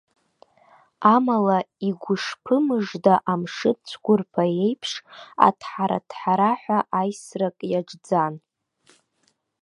Амала, игәышԥы мыжда, амшын цәқәырԥа еиԥш, аҭҳара-аҭҳараҳәа аисрак иаҿӡан.